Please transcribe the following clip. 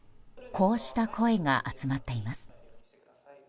こうした声が集まっています。